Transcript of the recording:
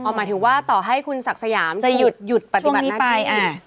หมายถึงว่าต่อให้คุณศักดิ์สยามจะหยุดปฏิบัติหน้าไป